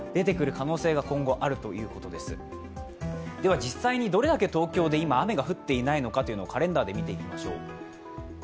実際にどれだけ東京で雨が降っていないのかをカレンダーで見ていきましょう。